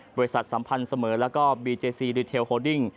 บริษัทสัมพันธ์เสมอและบีเจซีริเทลโฮลดิ้ง